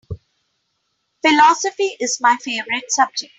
Philosophy is my favorite subject.